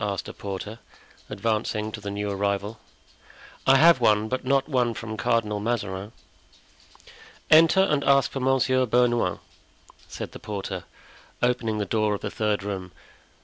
asked a porter, advancing to the new arrival. "I have one, but not one from Cardinal Mazarin." "Enter, and ask for Monsieur Bernouin," said the porter, opening the door of the third room.